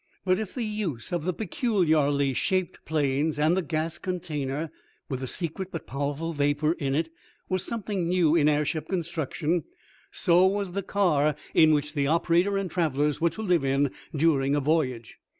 But if the use of the peculiarly shaped planes and the gas container, with the secret but powerful vapor in it were something new in airship construction, so was the car in which the operator and travelers were to live during a voyage.